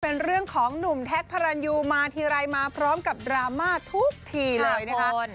เป็นเรื่องของหนุ่มแท็กพระรันยูมาทีไรมาพร้อมกับดราม่าทุกทีเลยนะคะ